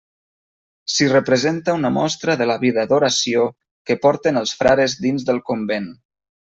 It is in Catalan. S'hi representa una mostra de la vida d'oració que porten els frares dins del convent.